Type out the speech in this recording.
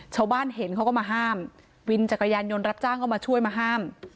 ชาวบ้านเห็นเขาก็มาห้ามวินจักรยานยนต์รับจ้างก็มาช่วยมาห้าม